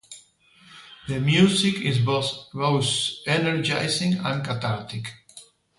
The music is both energizing and cathartic.